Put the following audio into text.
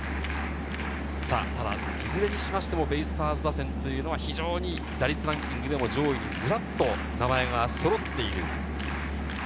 いずれにしてもベイスターズ打線は非常に打率ランキングでも上位にずらっと名前がそろっています。